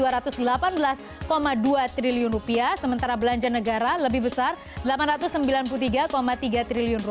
rp dua triliun sementara belanja negara lebih besar rp delapan ratus sembilan puluh tiga tiga triliun